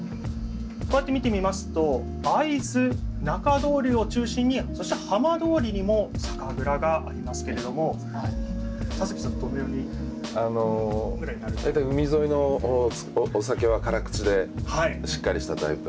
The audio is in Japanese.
こうやって見てみますと会津中通りを中心にそして浜通りにも酒蔵がありますけれども田崎さんどのように。大体海沿いのお酒は辛口でしっかりしたタイプ。